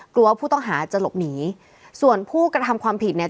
กลัวว่าผู้ต้องหาจะหลบหนีส่วนผู้กระทำความผิดเนี่ย